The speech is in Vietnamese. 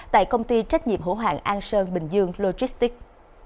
tại công ty trách nhiệm hữu hoạng an sơn bình dương logistics